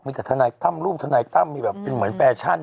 มีแต่ท่านนายต้ำรูปท่านนายต้ำมีแบบเป็นเหมือนแฟชั่น